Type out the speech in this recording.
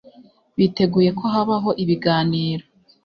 biteguye ko habaho ibiganiro